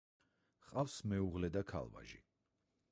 ჰყავს მეუღლე და ქალ-ვაჟი.